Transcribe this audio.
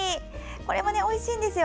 これもおいしいんですよ。